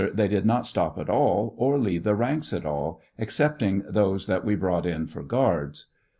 They did not stop at all, or leave the ranks at all, excepting those that we brought in for guards.